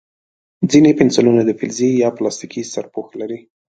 ځینې پنسلونه د فلزي یا پلاستیکي سرپوښ لري.